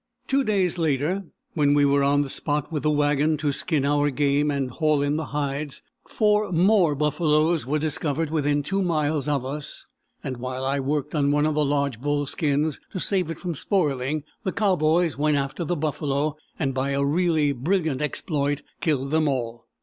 Two days later, when we were on the spot with the wagon to skin our game and haul in the hides, four more buffaloes were discovered within 2 miles of us, and while I worked on one of the large bull skins to save it from spoiling, the cowboys went after the buffalo, and by a really brilliant exploit killed them all.